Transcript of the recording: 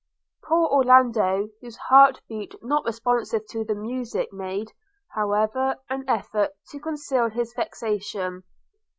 Poor Orlando, whose heart beat not responsive to the music, made, however, an effort to conceal his vexation.